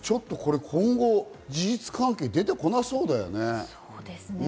今後、事実関係、出てこなさそうだよね。